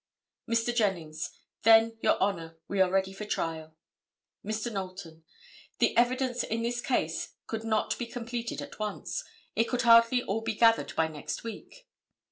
Mr. Jennings—"Then, your Honor, we are ready for trial." Mr. Knowlton—"The evidence in this case could not be completed at once. It could hardly all be gathered by next week."